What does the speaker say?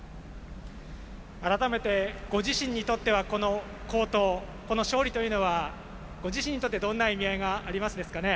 改めてご自身にとってこの好投この勝利というのはご自身にとってどんな意味合いがありますですかね？